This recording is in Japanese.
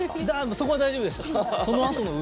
そこは大丈夫でした。